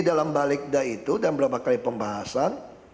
jadi dalam balegda itu dan beberapa kali pembahasan